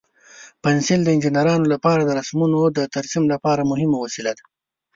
پنسل د انجینرانو لپاره د رسمونو د ترسیم لپاره مهم وسیله ده.